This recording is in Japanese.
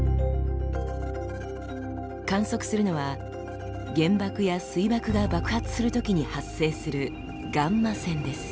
観測するのは原爆や水爆が爆発するときに発生する「ガンマ線」です。